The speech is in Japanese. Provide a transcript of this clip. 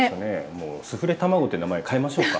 もう「スフレ卵」って名前変えましょうか。